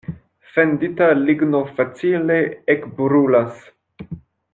Fendita ligno facile ekbrulas.